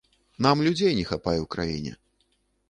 Нам людзей не хапае ў краіне.